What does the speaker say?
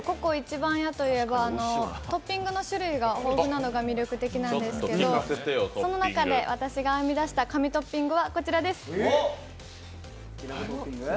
番屋といえばトッピングの種類が豊富なのが魅力なんですけど、その中で私が編み出した神トッピングはこちらです。